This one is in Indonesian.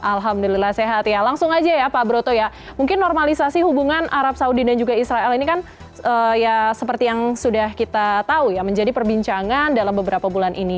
alhamdulillah sehat ya langsung aja ya pak broto ya mungkin normalisasi hubungan arab saudi dan juga israel ini kan ya seperti yang sudah kita tahu ya menjadi perbincangan dalam beberapa bulan ini